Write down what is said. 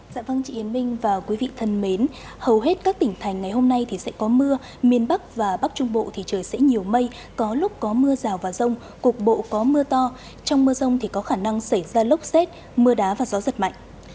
dạ vâng chị yến minh và quý vị thân mến hầu hết các tỉnh thành ngày hôm nay thì sẽ có mưa miền bắc và bắc trung bộ thì trời sẽ nhiều mây có lúc có mưa rào và rông cục bộ có mưa to trong mưa rông thì có khả năng xảy ra lốc xét mưa đá và gió giật mạnh